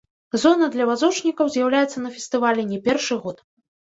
Зона для вазочнікаў з'яўляецца на фестывалі не першы год.